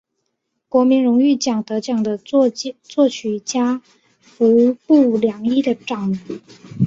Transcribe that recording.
国民荣誉奖得奖的作曲家服部良一的长男。